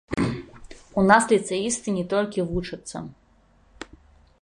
У нас ліцэісты не толькі вучацца.